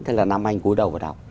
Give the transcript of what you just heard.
thế là năm anh cuối đầu và đọc